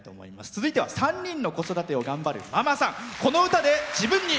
続いては３人の子育てを頑張るママさん。